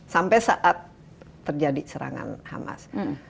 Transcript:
sampai saat terjadi serangan hamas